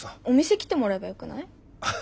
お店来てもらえばよくない？